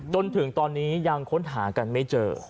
จนถึงตอนนี้ยังค้นหากันไม่เจอ